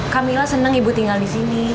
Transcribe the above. camilla senang ibu tinggal di sini